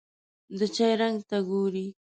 د چای رنګ ته ګوري.